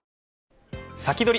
サキドリ！